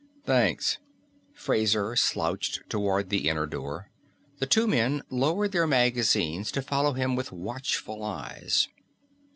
"Thanks." Fraser slouched toward the inner door. The two men lowered their magazines to follow him with watchful eyes.